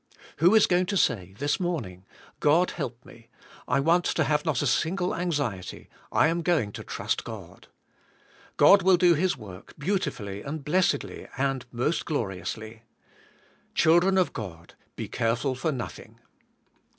Who is going to say, this morning, God help me. I want to have not a single anxiety. I am going to trust God." God will do His work beautifully and blessedly, and most gloriously. Children of God, "Be careful for nothing."